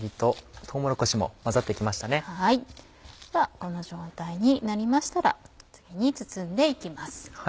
この状態になりましたら次に包んで行きます。